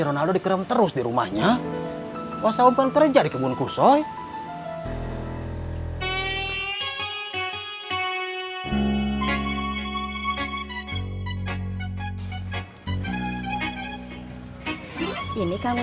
ronaldo dikeren terus di rumahnya wassalamu'alaikum kerja di kebun kusoi ini kamu